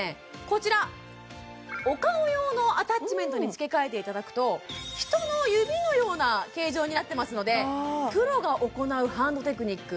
こちらお顔用のアタッチメントに付け替えていただくと人の指のような形状になってますのでプロが行うハンドテクニック